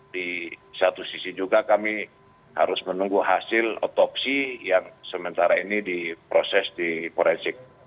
di satu sisi juga kami harus menunggu hasil otopsi yang sementara ini diproses di forensik